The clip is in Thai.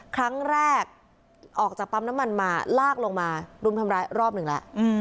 ครั้งแรกออกจากปั๊มน้ำมันมาลากลงมารุมทำร้ายรอบหนึ่งแล้ว